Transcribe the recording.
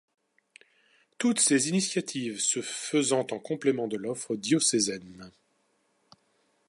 Toutes ces initiatives se faisant en complément de l'offre diocésaine.